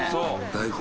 大根。